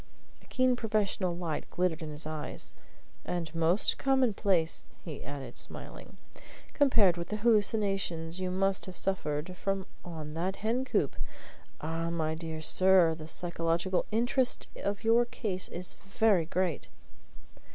A keen professional light glittered in his eyes. "And almost commonplace," he added, smiling, "compared with the hallucinations you must have suffered from on that hen coop! Ah, my dear sir, the psychological interest of your case is very great!"